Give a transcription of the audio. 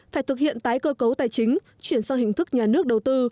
phải thực hiện tái cơ cấu tài chính chuyển sang hình thức nhà nước đầu tư